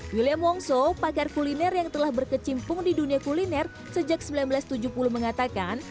william wongso pakar kuliner yang telah berkecimpung di dunia kuliner sejak seribu sembilan ratus tujuh puluh mengatakan